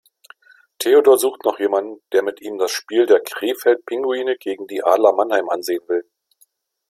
Theodor sucht noch jemanden, der mit ihm das Spiel der Krefeld Pinguine gegen die Adler Mannheim ansehen will.